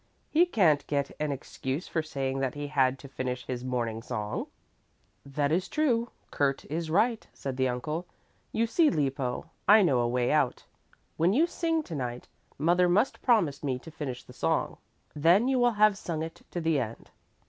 "He can't get an excuse for saying that he had to finish his morning song." "That is true, Kurt is right," said the uncle. "You see, Lippo, I know a way out. When you sing to night, mother must promise me to finish the song. Then you will have sung it to the end."